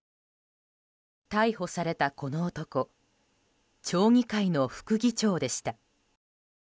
逮捕されたこの男町議会の副議長でした。